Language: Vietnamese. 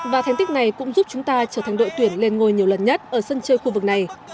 và thành tích này cũng giúp chúng ta trở thành đội tuyển lên ngôi nhiều lần nhất ở sân chơi khu vực này